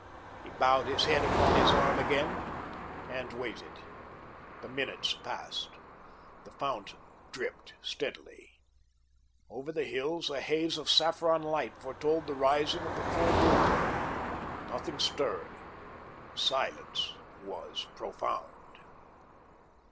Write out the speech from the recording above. He bowed his head upon his arm again and waited. The minutes passed. The fountain dripped steadily. Over the hills a haze of saffron light foretold the rising of the full moon. Nothing stirred. The silence was profound.